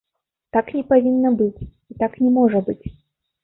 Так не павінна быць, і так не можа быць.